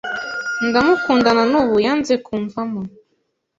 ndamukunda nanubu yanze kumvamo”